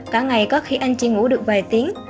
cả ngày có khi anh chỉ ngủ được vài tiếng